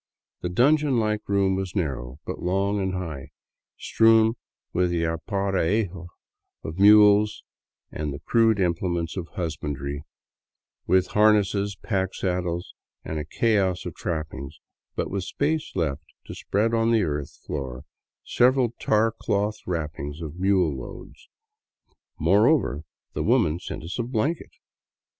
The dungeon like room was narrow, but long and high, strewn with the aparejo of mules and the crude implements of husbandry, with harnesses, pack saddles and a chaos of trappings, but with space left to spread on the earth floor several tar cloth wrappings of mule loads. Moreover, the woman sent us a. blanket.